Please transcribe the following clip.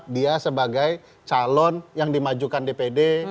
dia sebagai calon yang dimajukan dpd